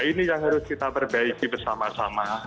ini yang harus kita perbaiki bersama sama